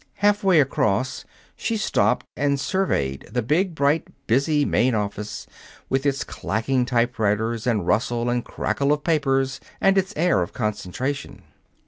Halfway across, she stopped and surveyed the big, bright, busy main office, with its clacking typewriters and rustle and crackle of papers and its air of concentration.